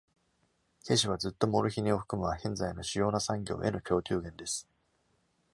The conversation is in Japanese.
ケシは、ずっとモルヒネを含むアヘン剤の主要な産業への供給源です。